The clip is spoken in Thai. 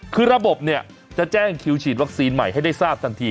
คือระบบเนี่ยจะแจ้งคิวฉีดวัคซีนใหม่ให้ได้ทราบทันที